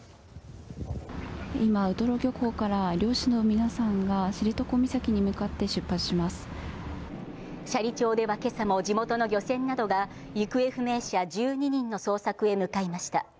今、ウトロ漁港から漁師の皆さんが、斜里町ではけさも地元の漁船などが、行方不明者１２人の捜索へ向かいました。